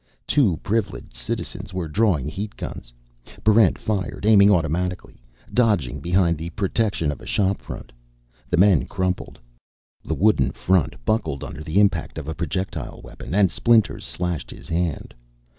Two Privileged Citizens were drawing heat guns. Barrent fired, aiming automatically, dodging behind the protection of a shop front. The men crumpled. The wooden front buckled under the impact of a projectile weapon and splinters slashed his hand.